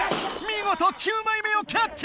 見事９枚目をキャッチ！